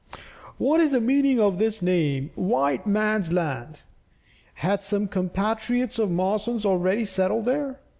What is the meaning of this name "White man's land"? Had some compatriots of Marson's already settled there?